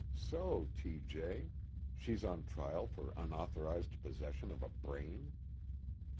(_So, T. J.? She's on trial for unauthorized possession of a brain?